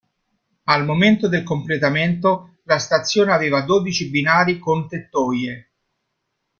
Al momento del completamento, la stazione aveva dodici binari con tettoie.